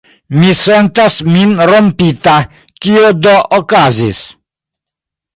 Mi sentas min rompita: kio do okazis?